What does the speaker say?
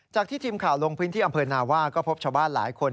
ที่ทีมข่าวลงพื้นที่อำเภอนาว่าก็พบชาวบ้านหลายคน